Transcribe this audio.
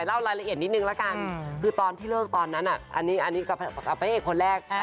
อันนี้ก็เป็นภายเอกคนแรก